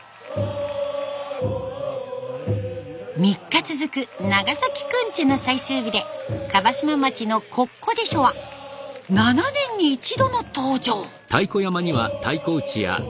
３日続く「長崎くんち」の最終日で椛島町の「コッコデショ」は７年に一度の登場。